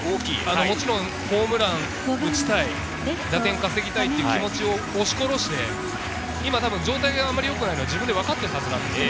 もちろんホームランを打ちたい、打点を稼ぎたいという気持ちを押し殺して状態があまりよくないのは自分で分かっているはずなんです。